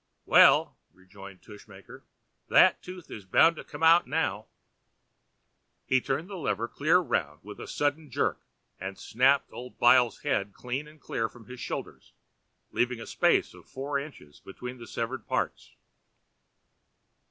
"Well," rejoined Tushmaker, "that tooth is bound to come out now." He turned the lever clear round with a sudden jerk, and snapped old Byles's head clean and clear from his shoulders, leaving a space of four inches between the severed parts!